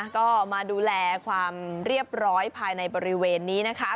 ก็มาดูแลความเรียบร้อยภายในบริเวณนี้นะคะ